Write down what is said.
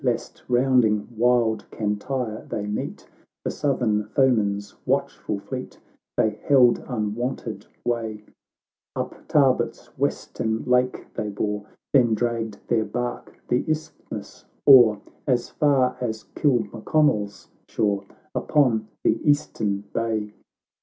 Lest, rounding wild Cantire, they meet The southern foemen's watchful fleet, They held unwonted way ;— Up Tarbat's western lake they bore, Then dragced their bark the isthmus o'er," As far as Kilmaconnel's shore, Upon the eastern bay.